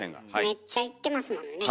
めっちゃ行ってますもんね。